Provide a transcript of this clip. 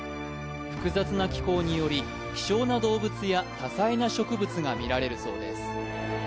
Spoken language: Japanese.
複雑な気候により希少な動物や多彩な植物が見られるそうです